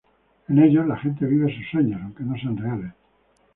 En ellos la gente vive sus sueños, aunque no sean reales.